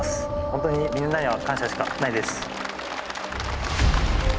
ホントにみんなには感謝しかないです。